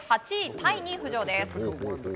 タイに浮上です。